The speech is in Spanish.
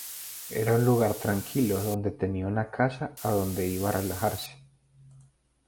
Era un lugar tranquilo donde tenía una casa a donde iba a relajarse.